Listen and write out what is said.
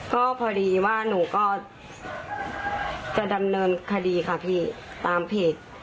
ก็พอดีว่าหนูก็จะดำเนินคดีค่ะพี่ตามเพจ